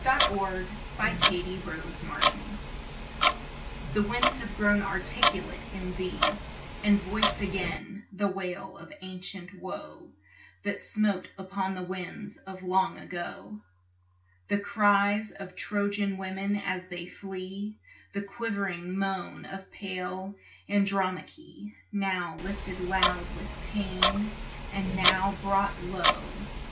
To an Aeolian Harp The winds have grown articulate in thee, And voiced again the wail of ancient woe That smote upon the winds of long ago: The cries of Trojan women as they flee, The quivering moan of pale Andromache, Now lifted loud with pain and now brought low.